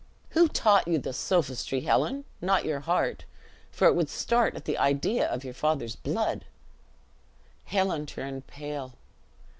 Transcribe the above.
"Who taught you this sophistry, Helen? Not your heart, for it would start at the idea of your father's blood." Helen turned pale.